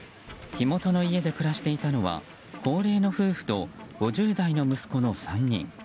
火元の家で暮らしていたのは高齢の夫婦と５０代の息子の３人。